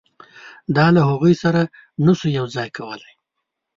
دا له هغوی سره نه شو یو ځای کولای.